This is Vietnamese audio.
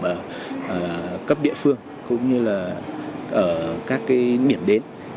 ở cấp địa phương cũng như là ở các cái biển đến